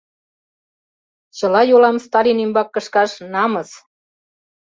Чыла йолам Сталин ӱмбак кышкаш — намыс.